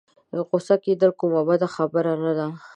غوسه کېدل کومه بده خبره نه ده.